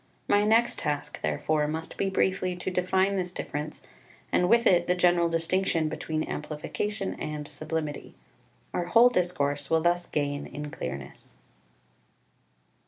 My next task, therefore, must be briefly to define this difference, and with it the general distinction between amplification and sublimity. Our whole discourse will thus gain in clearness.